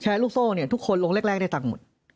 ลูกโซ่เนี่ยทุกคนลงแรกได้ตังค์หมด